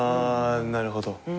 なるほど。